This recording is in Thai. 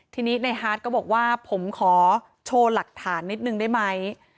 ทีนี้ในฮาร์ดก็บอกว่าผมขอโชว์หลักฐานนิดนึงได้ไหม